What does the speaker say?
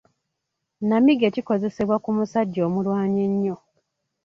Nnamige kikozesebwa ku musajja omulwanyi ennyo.